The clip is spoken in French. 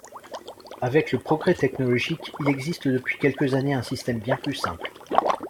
Avec le progrès technologique, il existe depuis quelques années un système bien plus simple.